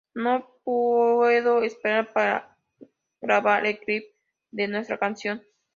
No puedo esperar para grabar el clip de nuestra canción.